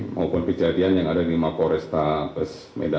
maupun kejadian yang ada di mapr stafel surabaya